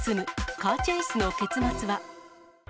カーチェイスの結末は。